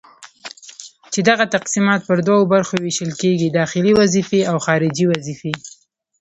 چي دغه تقسيمات پر دوو برخو ويشل کيږي:داخلي وظيفي او خارجي وظيفي